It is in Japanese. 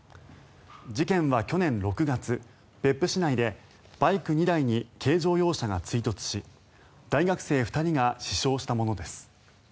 事件は去年６月、別府市内でバイク２台に軽乗用車が追突し大学生２人が死傷したものです。